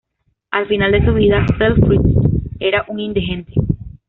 Al final de su vida, Selfridge era un indigente.